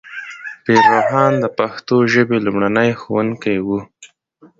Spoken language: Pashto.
پیر روښان د پښتو ژبې لومړنی ښوونکی و.